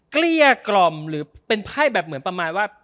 เกลี้ยกล่อมหรือเป็นไพ่แบบเหมือนประมาณว่า